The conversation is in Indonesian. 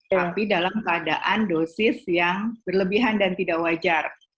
tapi dalam keadaan dosis yang berlebihan dan tidak wajar